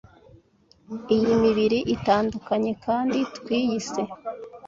iyi mibiri itandukanye kandi twiyise